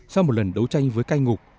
sau một lần đấu tranh với cai ngục